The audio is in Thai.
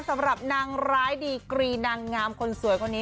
สำหรับนางร้ายดีกรีนางงามคนสวยคนนี้